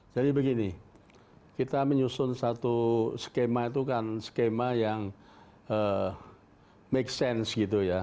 jadi begini kita menyusun satu skema itu kan skema yang make sense gitu ya